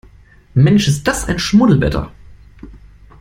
Mensch, ist das ein Schmuddelwetter!